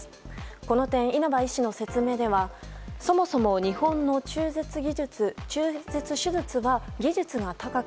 この点、稲葉医師の説明ではそもそも日本の中絶手術が技術が高く